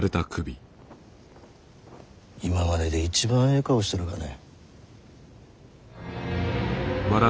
今までで一番ええ顔しとるがね。